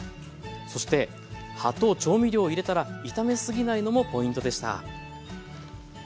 そして葉と調味料を入れたら炒め過ぎないのもポイントでした。